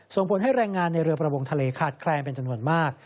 ส่งผลให้แรงงานในเรือประมงทะเลขาดแคลนเป็นจำนวนมาก